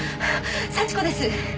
幸子です！